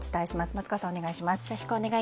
松川さん、お願いします。